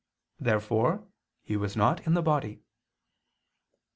Therefore he was not in the body.